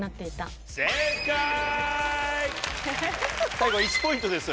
最後１ポイントです。